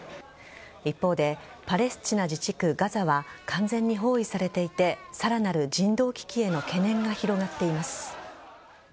一方でパレスチナ自治区・ガザは完全に包囲されていてさらなる人道危機への懸念が広がっています。